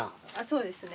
そうですね。